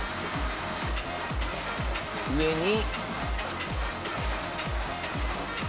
「上に」